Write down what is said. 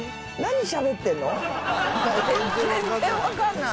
全然わかんない。